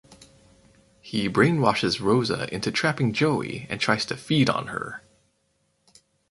He brainwashes Rosa into trapping Joey and tries to feed on her.